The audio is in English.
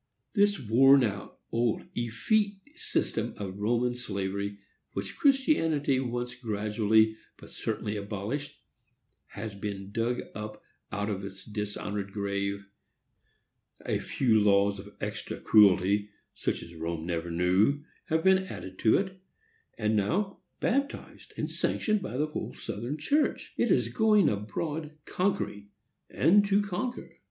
This worn out, old, effete system of Roman slavery, which Christianity once gradually but certainly abolished, has been dug up out of its dishonored grave, a few laws of extra cruelty, such as Rome never knew, have been added to it, and now, baptized and sanctioned by the whole Southern church, it is going abroad conquering and to conquer!